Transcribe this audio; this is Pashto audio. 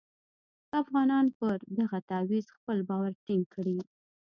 که افغانان پر دغه تعویض خپل باور ټینګ کړي.